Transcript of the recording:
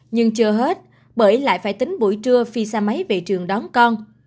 nhưng chưa hết bởi lại phải tính buổi trưa phi xe máy về trường đón con